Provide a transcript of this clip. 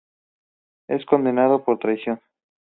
Es condenado por traición.